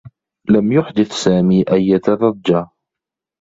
لم يحدث سامي أيّة ضجّة.